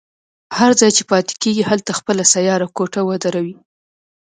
هر ځای چې پاتې کېږي هلته خپله سیاره کوټه ودروي.